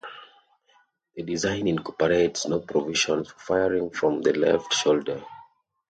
The design incorporates no provisions for firing from the left shoulder.